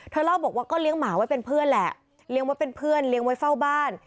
เล่าบอกว่าก็เลี้ยงหมาไว้เป็นเพื่อนแหละเลี้ยงไว้เป็นเพื่อนเลี้ยงไว้เฝ้าบ้าน